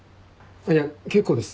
いや結構です。